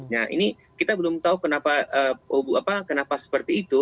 nah ini kita belum tahu kenapa seperti itu